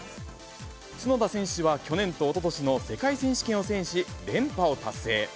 角田選手は去年とおととしの世界選手権を制し、連覇を達成。